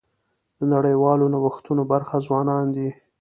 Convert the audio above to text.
د نړیوالو نوښتونو برخه ځوانان دي.